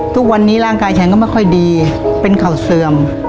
ทุกวันนี้ร่างกายฉันก็ไม่ค่อยดีเป็นเข่าเสื่อม